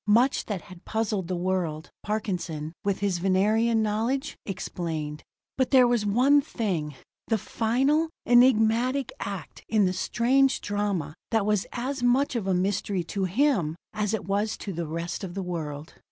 Much that had puzzled the world, Parkinson, with his Venerian knowledge, explained; but there was one thing, the final, enigmatical act in the strange drama, that was as much of a mystery to him as it was to the rest of the world.